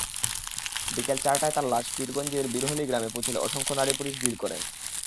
বিকেল চারটায় তাঁর লাশ পীরগঞ্জের বীরহলী গ্রামে পৌঁছালে অসংখ্য নারী-পুরুষ ভিড় করেন।